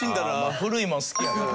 古いもん好きやから。